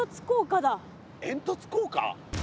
煙突効果？